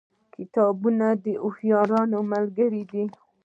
کتابونه د هوښیارانو ملګري دي.